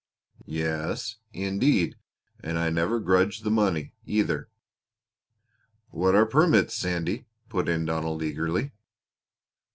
"Yes, indeed. And I never grudge the money, either." "What are permits, Sandy?" put in Donald eagerly.